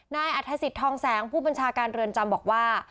นายอัฐศิษย์ทองแสงผู้บัญชาการเรือนจำบอกว่า